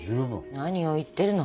何を言ってるの。